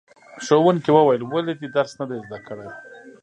ښوونکي وویل ولې دې درس نه دی زده کړی؟